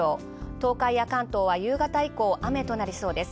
東海や関東は夕方以降あめとなりそうです。